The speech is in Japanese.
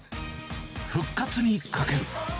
復活にかける。